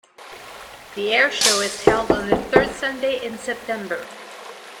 The air show is held on the third Sunday in September.